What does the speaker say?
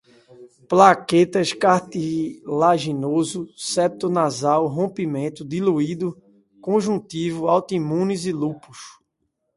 plaquetas, cartilaginoso, septo nasal, rompimento, diluído, conjuntivo, autoimunes, lúpus